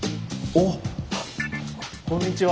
あっこんにちは。